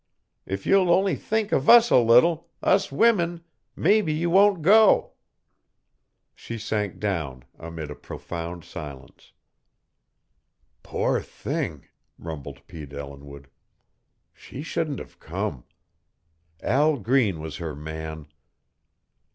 If you'll only think of us a little us women mebbe you won't go." She sank down amid a profound silence. "Poor thing!" rumbled Pete Ellinwood. "She shouldn't have come. Al Green was her man."